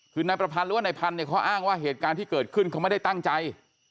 คือนายประพันธ์หรือว่านายพันธุ์เนี่ยเขาอ้างว่าเหตุการณ์ที่เกิดขึ้นเขาไม่ได้ตั้งใจ